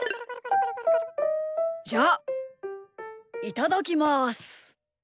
じゃあいただきます！